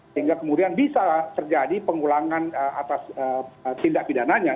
sehingga kemudian bisa terjadi pengulangan atas tindak pidananya